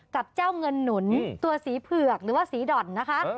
กับเจ้าเงินหนุนตัวสีเผือกหรือว่าสีด่อนนะคะ